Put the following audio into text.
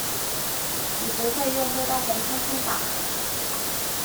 你不會又喝到紅通通吧？